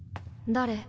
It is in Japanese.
誰？